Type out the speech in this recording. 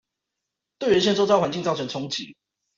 對原先週遭環境造成衝擊